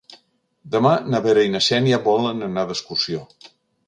Demà na Vera i na Xènia volen anar d'excursió.